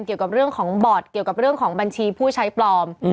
เกี่ยวกับเรื่องของบอร์ดเกี่ยวกับเรื่องของบัญชีผู้ใช้ปลอม